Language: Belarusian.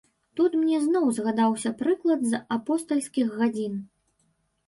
Тут мне зноў згадаўся прыклад з апостальскіх гадзін.